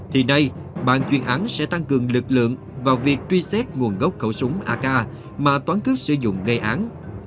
thì đây bàn chuyên án sẽ tăng cường lực lượng vào việc truy xét nguồn gốc khẩu súng ak mà toán cướp sử dụng gây án